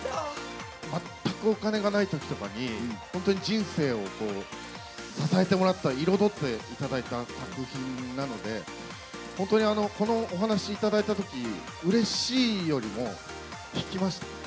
全くお金がないときとかに、本当に人生を支えてもらった、彩っていただいた作品なので、本当にこのお話いただいたとき、うれしいよりも、引きました。